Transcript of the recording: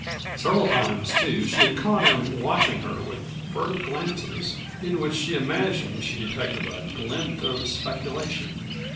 Several times, too, she had caught him watching her with furtive glances in which, she imagined, she detected a glint of speculation.